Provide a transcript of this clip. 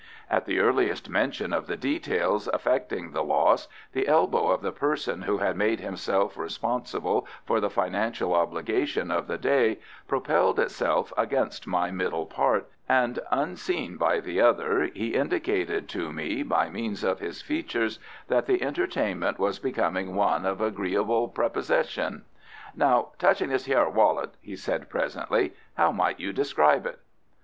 At the earliest mention of the details affecting the loss, the elbow of the person who had made himself responsible for the financial obligation of the day propelled itself against my middle part, and unseen by the other he indicated to me by means of his features that the entertainment was becoming one of agreeable prepossession. "Now, touching this hyer wallet," he said presently. "How might you describe it?"